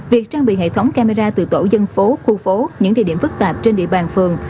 việc trang bị hệ thống camera từ tổ dân phố khu phố những địa điểm phức tạp trên địa bàn phường